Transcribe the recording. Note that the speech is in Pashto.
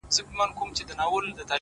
• نه په داد به څوك رسېږي د خوارانو ,